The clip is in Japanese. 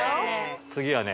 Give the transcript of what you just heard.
次はね